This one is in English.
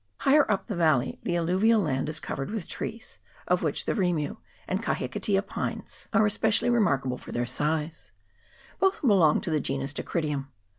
Higher up the valley the alluvial land is covered with trees, of which the rimu and kahikatea pines CHAP. III.] ERITONGA VALLEY. 75 are especially remarkable for their size. Both belong to the genus Dacrydium.